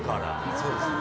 そうですね。